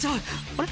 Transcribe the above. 「あれ？